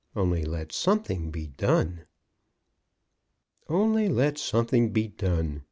Only let something be done. Only let something be done.